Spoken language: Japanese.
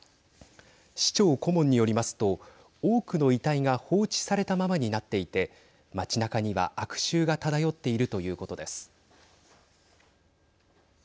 市長顧問によりますと多くの遺体が放置されたままになっていて街なかには悪臭が漂っているということです。